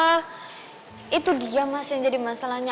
nah itu dia mas yang jadi masalahnya